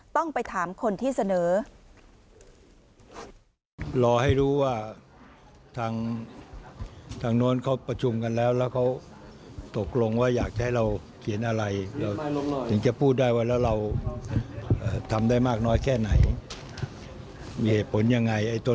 ต้องไปถามคนที่เสนอ